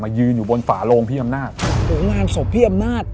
ยืนอยู่บนฝาโลงพี่อำนาจหรืองานศพพี่อำนาจ